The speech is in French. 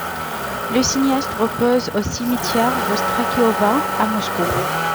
Le cinéaste repose au cimetière Vostriakovo à Moscou.